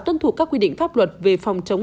tuân thủ các quy định pháp luật về phòng chống